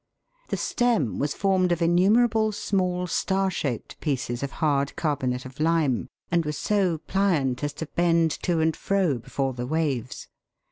The stem was formed of innumerable small, star shaped pieces of hard carbonate of lime, and was so pliant as to bend to and fro before the waves.